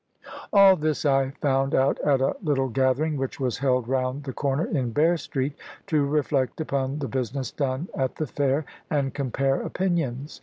All this I found out at a little gathering which was held round the corner, in Bear Street, to reflect upon the business done at the fair, and compare opinions.